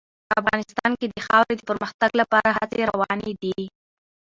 افغانستان کې د خاورې د پرمختګ لپاره هڅې روانې دي.